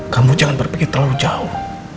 kamu jangan berpikir terlalu jauh